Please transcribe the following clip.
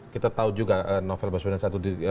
kita tahu juga novel bos benar satu